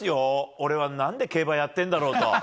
俺は何で競馬やってるんだろうと。